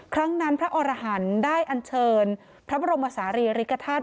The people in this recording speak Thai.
ครั้งนั้นพระอรหันต์ได้อันเชิญพระบรมศาลีริกฐาตุ